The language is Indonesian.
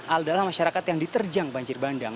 adalah masyarakat yang diterjang banjir bandang